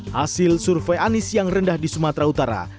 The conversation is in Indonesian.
hasil survei anies yang rendah di sumatera utara